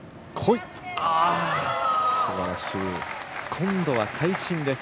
今度は会心です。